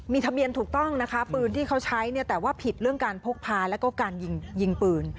ทะเบียนถูกต้องนะคะปืนที่เขาใช้เนี่ยแต่ว่าผิดเรื่องการพกพาแล้วก็การยิงปืน